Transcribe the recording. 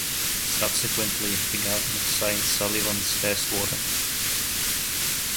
Subsequently, the governor signs Sullivan's death warrant.